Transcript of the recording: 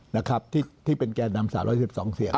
นะครับที่เป็นแก่นำ๓๑๒เสียง